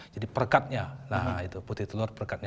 jadi perkatnya putih telur perkatnya